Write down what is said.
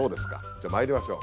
じゃあまいりましょう。